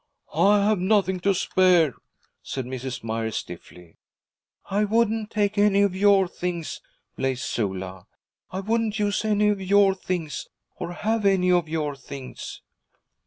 'I have nothing to spare,' said Mrs. Myers stiffly. 'I wouldn't take any of your things,' blazed Sula. 'I wouldn't use any of your things, or have any of your things.'